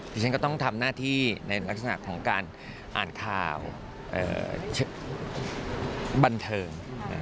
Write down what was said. ฉันก็ต้องทำหน้าที่ในลักษณะของการอ่านข่าวบันเทิง